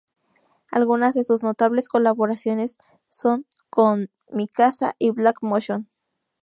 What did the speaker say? Algunas de sus notables colaboraciones son con Mi Casa y Black Motion.